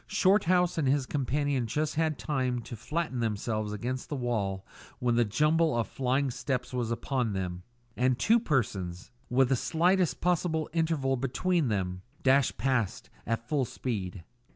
Shorthouse and his companion just had time to flatten themselves against the wall when the jumble of flying steps was upon them, and two persons, with the slightest possible interval between them, dashed past at full speed.